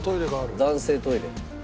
「男性トイレ」